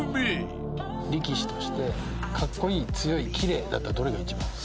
力士として「かっこいい」「強い」「きれい」だったらどれが一番。